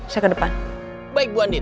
saya ke depan baik bu andin